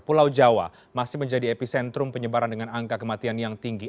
pulau jawa masih menjadi epicentrum penyebaran dengan angka kematian yang tinggi